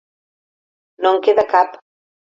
No en queda cap.